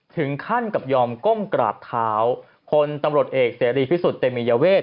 ถึงขั้นกับยอมก้มกราบเท้าคนตำรวจเอกเสรีพิสุทธิเตมียเวท